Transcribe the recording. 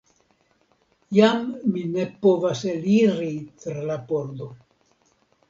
Jam mi ne povas eliri tra la pordo.